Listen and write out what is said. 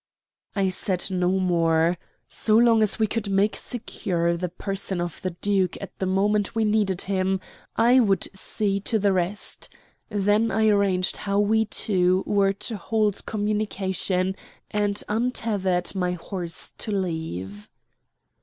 I said no more. So long as we could make secure the person of the duke at the moment we needed him, I would see to the rest. Then I arranged how we two were to hold communication and untethered my horse to leave.